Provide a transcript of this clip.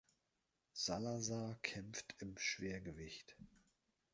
Salazar kämpft im Schwergewicht.